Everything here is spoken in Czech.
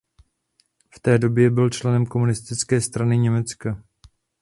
V té době byl členem Komunistické strany Německa.